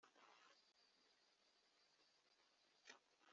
koleji nderabarezi muri kaminuza y u rwanda